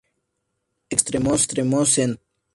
Extremo Centro".